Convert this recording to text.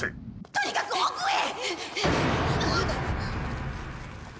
とにかく奥へ！